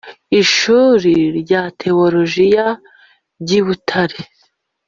ishuri rya tewolojiya ry i butare